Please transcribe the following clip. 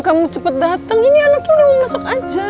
kamu cepet dateng ini anaknya udah mau masuk aja